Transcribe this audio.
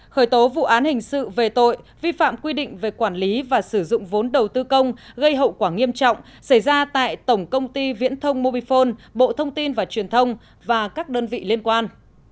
khởi tố vụ án hình sự về tội vi phạm quy định về quản lý và sử dụng vốn đầu tư công gây hậu quả nghiêm trọng xảy ra tại tổng công ty viễn thông mobifone bộ thông tin và truyền thông và các đơn vị liên quan